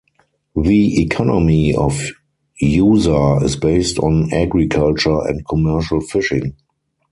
The economy of Yuza is based on agriculture and commercial fishing.